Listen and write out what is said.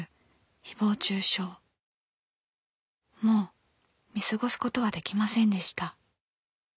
もう見過ごすことはできませんでした。